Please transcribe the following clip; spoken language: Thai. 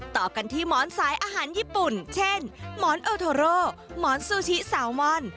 ต่อกันที่หมอนสายอาหารญี่ปุ่นเช่นหมอนโอโทโรหมอนซูชิซาวมอน